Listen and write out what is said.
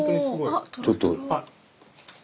ちょっと。